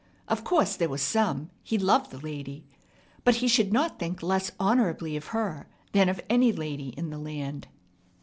Of course, there was some; he loved the lady, but he should not think less honorably of her than of any lady in the land.